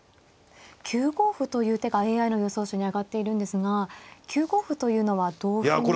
９五歩という手がＡＩの予想手に挙がっているんですが９五歩というのは同歩に。